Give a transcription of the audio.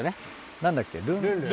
何だっけ？